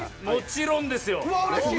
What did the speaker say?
もちろんですよ！